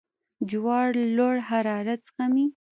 جوار لوړ حرارت زغمي.